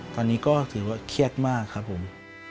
ตอนนี้ก็ถือว่าเครียดมากครับผม